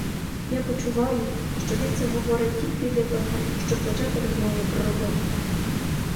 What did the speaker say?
Я почуваю, що він це говорить тільки для того, щоб почати розмову про роботу.